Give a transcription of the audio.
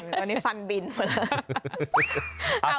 ตอนนี้ฟันบินเผลอ